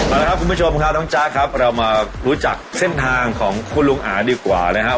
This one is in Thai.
เอาละครับคุณผู้ชมครับน้องจ๊ะครับเรามารู้จักเส้นทางของคุณลุงอาดีกว่านะครับ